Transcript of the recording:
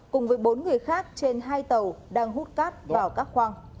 cùng với bốn người khác trên hai tàu đang hút cát vào các khoang